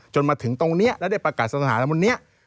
จนมาถึงตรงนี้แล้วได้ประกาศศาสนาทั้งหมดนี้